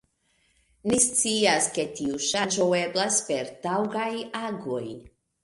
Ni scias, ke tiu ŝanĝo eblas per taŭgaj agoj.